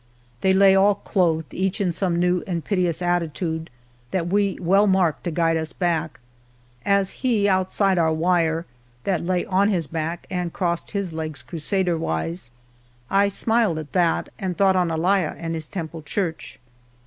They lay, all clothed. Each m some new and piteous attitude That we well marked to guide us back: as he. Outside our wire, that lay on his back and crossed His legs Crusader wpse; I smiled at that. And thought on Elia and his Temple Church.